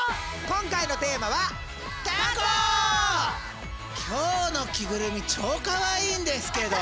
今回のテーマは今日の着ぐるみ超かわいいんですけど！